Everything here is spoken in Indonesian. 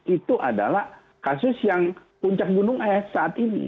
itu adalah kasus yang puncak gunung es saat ini